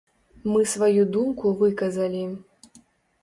Мы сваю думку выказалі.